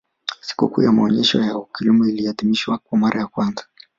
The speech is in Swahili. Sikukuu ya maonyesho ya wakulima iliadhimiahwa kwa mara ya kwanza